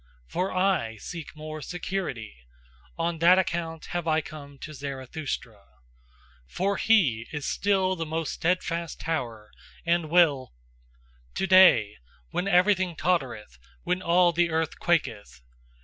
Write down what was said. For I seek more SECURITY; on that account have I come to Zarathustra. For he is still the most steadfast tower and will To day, when everything tottereth, when all the earth quaketh.